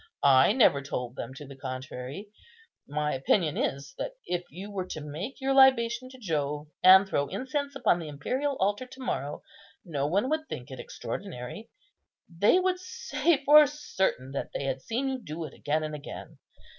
I never told them to the contrary. My opinion is, that if you were to make your libation to Jove, and throw incense upon the imperial altar to morrow, no one would think it extraordinary. They would say for certain that they had seen you do it again and again.